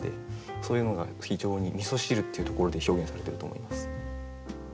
そういうのが非常に「味汁」っていうところで表現されてると思います。